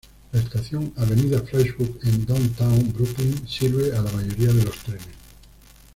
La estación Avenida Flatbush en Downtown Brooklyn sirve a la mayoría de los trenes.